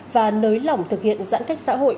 và nới lỏng thực hiện giãn cách xã hội